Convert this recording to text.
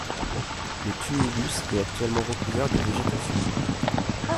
Le tumulus est actuellement recouvert de végétation.